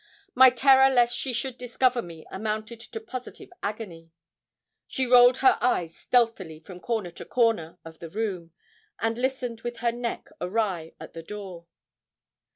My terror lest she should discover me amounted to positive agony. She rolled her eyes stealthily from corner to corner of the room, and listened with her neck awry at the door.